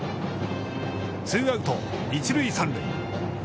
ツーアウト、一塁三塁。